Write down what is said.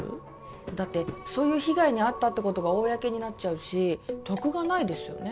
だってそういう被害に遭ったってことが公になっちゃうし得がないですよね